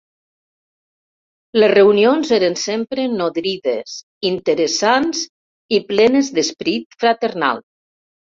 Les reunions eren sempre nodrides, interessants i plenes d'esperit fraternal.